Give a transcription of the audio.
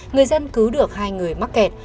người dân cứu được hai người mắc kẹt